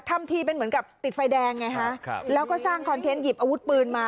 ทำทีเป็นเหมือนกับติดไฟแดงไงฮะครับแล้วก็สร้างคอนเทนต์หยิบอาวุธปืนมา